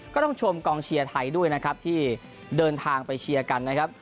ก็ต้องชมกองเชียร์ไทยด้วยนะครับที่เดินทางไปเชียร์กันนะครับ